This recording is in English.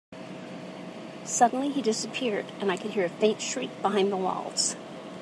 Suddenly, he disappeared, and I could hear a faint shriek behind the walls.